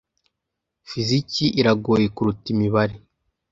Fiziki iragoye kuruta imibare. (RoyTek)